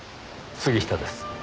杉下です。